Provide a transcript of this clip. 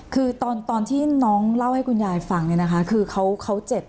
คือตอนที่น้องเล่าให้คุณยายฟังเนี่ยนะคะคือเขาเจ็บ